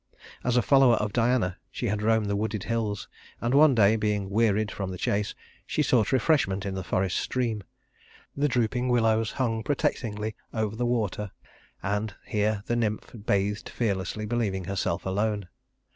As a follower of Diana she had roamed the wooded hills; and one day, being wearied from the chase, she sought refreshment in the forest stream. The drooping willows hung protectingly over the water, and here the nymph bathed fearlessly, believing herself alone.